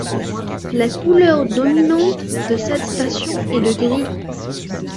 La couleur dominante de cette station est le gris.